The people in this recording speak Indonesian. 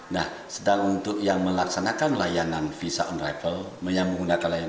nah sedang untuk yang melaksanakan layanan visa on rapple menyambung menggunakan layan